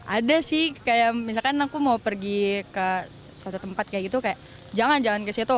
ada sih kayak misalkan aku mau pergi ke suatu tempat kayak gitu kayak jangan jangan ke situ